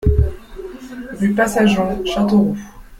Rue Passageon, Châteauroux